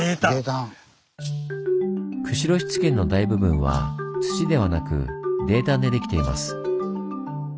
釧路湿原の大部分は土ではなく泥炭でできています。